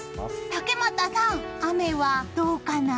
竹俣さん、雨はどうかな？